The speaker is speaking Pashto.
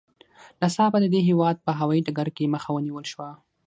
ناڅاپه د دې هېواد په هوايي ډګر کې مخه ونیول شوه.